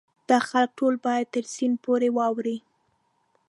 دغه خلک ټول باید تر سیند پورې واوړي.